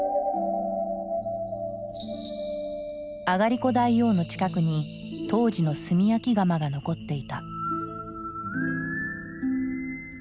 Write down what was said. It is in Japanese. あがりこ大王の近くに当時の炭焼き窯が残っていた。